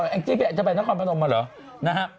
อังกฤษจะไปนักความประนมมาหรือ